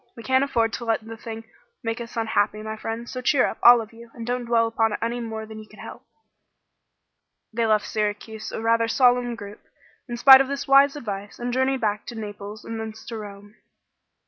We can't afford to let the thing make us unhappy, my friends; so cheer up, all of you, and don't dwell upon it any more than you can help." They left Syracuse a rather solemn group, in spite of this wise advice, and journeyed back to Naples and thence to Rome.